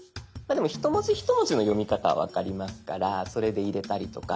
一文字一文字の読み方分かりますからそれで入れたりとか。